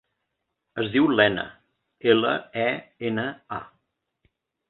Es diu Lena: ela, e, ena, a.